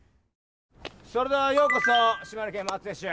それではようこそ島根県松江市へ。